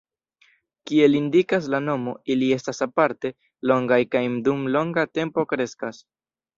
Kiel indikas la nomo, ili estas aparte longaj kaj dum longa tempo kreskas.